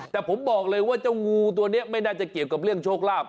แต่ผมบอกเลยว่าเจ้างูตัวนี้ไม่น่าจะเกี่ยวกับเรื่องโชคลาภ